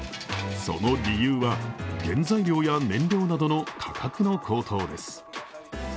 その理由は、原材料や燃料などの価格の高騰です。